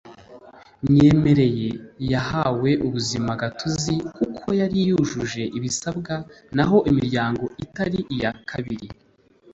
myemerere yahawe ubuzima gatozi kuko yari yujuje ibisabwa naho imiryango itari iya kabiri